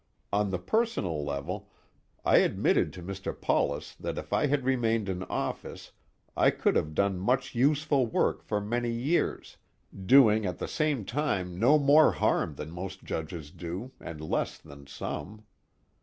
On the personal level, I admitted to Mr. Paulus that if I had remained in office I could have done much useful work for many years, doing at the same time no more harm than most judges do, and less than some.